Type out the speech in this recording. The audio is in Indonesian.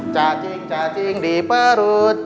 cacing cacing di perut